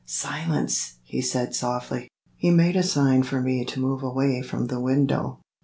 "Silence!" he said softly. He made a sign for me to move away from the window.